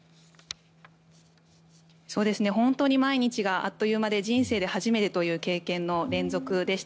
本当に毎日があっという間で人生で初めてという経験の連続でした。